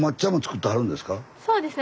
そうですね